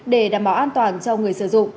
để đảm bảo an toàn cho người sử dụng